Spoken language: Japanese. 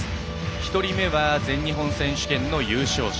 １人目は全日本選手権の優勝者。